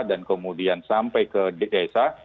dan kemudian sampai ke desa